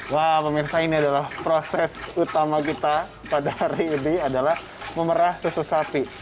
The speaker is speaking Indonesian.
wah pemirsa ini adalah proses utama kita pada hari ini adalah memerah susu sapi